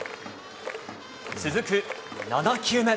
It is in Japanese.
続く７球目。